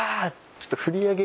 ちょっと振り上げ。